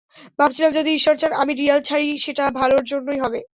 ভাবছিলাম, যদি ঈশ্বর চান আমি রিয়াল ছাড়ি, সেটা ভালোর জন্যই হবে।